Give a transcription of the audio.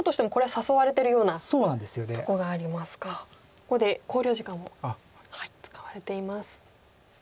ここで考慮時間を使われています。